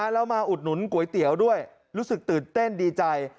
แล้วมาอุดหนุนก๋วยเตี๋ยวด้วยรู้สึกตื่นเต้นดีใจ